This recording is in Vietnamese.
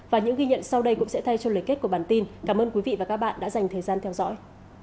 và những ghi nhận sau đây cũng sẽ thay cho lời kết của bản tin cảm ơn quý vị và các bạn đã dành thời gian theo dõi